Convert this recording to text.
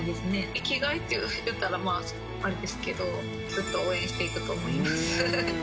生きがいと言うたらあれですけど、ずっと応援していくと思います。